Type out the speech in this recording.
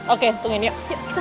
oke tungguin yuk